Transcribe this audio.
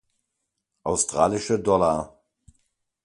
Australische Dollar.